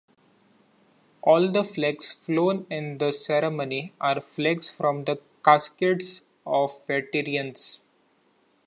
All the flags flown in the ceremony are flags from the caskets of veterans.